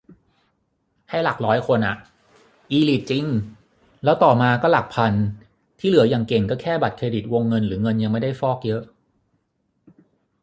ให้หลักร้อยคนอะ อีลิทจริง แล้วต่อมาก็หลักพัน ที่เหลืออย่างเก่งก็แค่บัตรเครดิตวงเงินหรือเงินยังไม่ได้ฟอกเยอะ